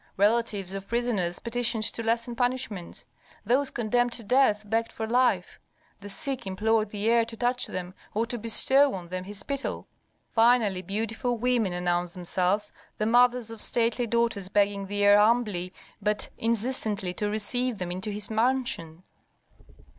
Relatives of prisoners petitioned to lessen punishments; those condemned to death begged for life; the sick implored the heir to touch them, or to bestow on them his spittle. Finally, beautiful women announced themselves, the mothers of stately daughters begging the heir humbly but insistently to receive them into his mansion.